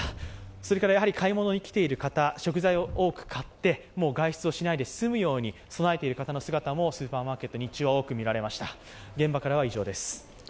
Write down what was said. それから買い物に来ている方、食材を多く買って外出をしないように済むように備えている方の姿もスーパーマーケット、日中は多くみられました。